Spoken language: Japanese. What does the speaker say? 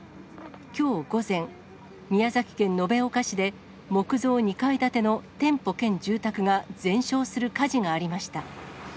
きょう午前、宮崎県延岡市で、木造２階建ての店舗兼住宅が全焼する火事がありました。